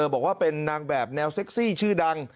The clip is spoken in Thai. บอกว่าเป็นนางแบบแนวเซ็กซี่ชื่อดัง